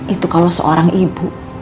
itu kalau seorang ibu